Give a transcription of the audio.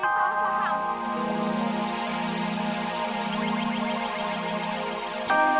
sampai jumpa lagi